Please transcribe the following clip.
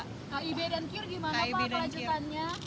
kib dan kir gimana pak kelanjutannya